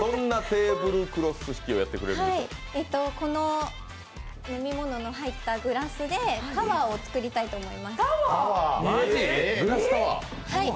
この飲み物が入ったグラスでタワーを作りたいと思います。